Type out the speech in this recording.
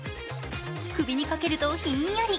首にかけるとひんやり。